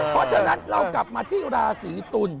เพราะฉะนั้นเรากลับมาที่ราศีตุล